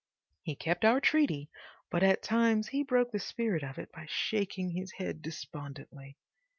He kept our treaty, but at times he broke the spirit of it by shaking his head despondently.